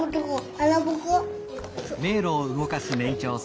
あなぼこ？